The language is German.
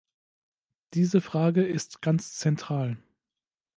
Diese Frage ist ganz zentral.